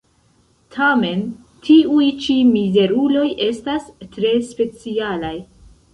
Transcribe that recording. Tamen tiuj ĉi mizeruloj estas tre specialaj.